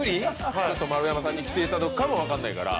丸山さんに来ていただくかも分からないから。